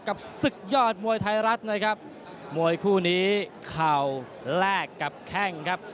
กับศึกยอดมวยไทยรัฐนะครับมวยคู่นี้เข่าแลกกับแข้งครับ